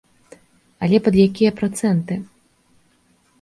Але пад якія працэнты?